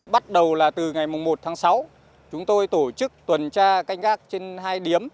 bắt đầu là từ ngày một tháng sáu chúng tôi tổ chức tuần tra canh gác trên hai điếm